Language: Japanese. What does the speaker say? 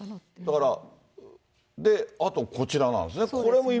だから、で、あとこちらなんですね。